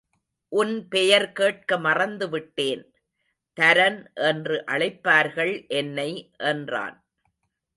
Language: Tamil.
உன் பெயர் கேட்க மறந்து விட்டேன். தரன் என்று அழைப்பார்கள் என்னை என்றான்.